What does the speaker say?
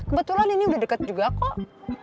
gimana ini udah deket juga kok